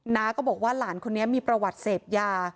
น้าก็บอกว่าหลานคนนี้มีประวัติเสพยา